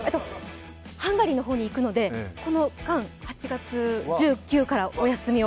ハンガリーの方に行くので、この間、８月１９日からお休みを。